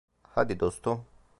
Hadi dostum.